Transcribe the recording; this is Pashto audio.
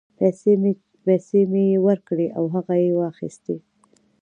پیسې مې یې ورکړې او هغه یې واخیستې.